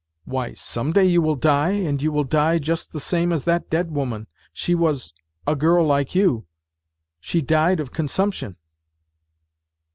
" Why, some day you will die, and you will die just the same as that dead woman. She was ... a girl like you. She died of consumption."